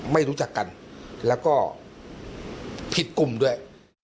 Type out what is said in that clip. ไม่รู้จักกันแล้วก็ผิดกลุ่มด้วย